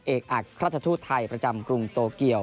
เอกอักราชทูตไทยประจำกรุงโตเกียว